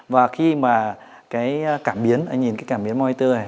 và khi mà cái cảm biến anh nhìn cái cảm biến monitor này